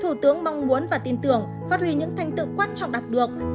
thủ tướng mong muốn và tin tưởng phát huy những thành tựu quan trọng đạt được